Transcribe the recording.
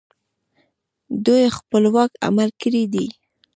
دوی خپلواک عمل کړی دی